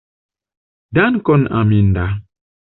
Dankon, Aminda!